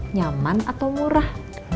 nyaman atau murah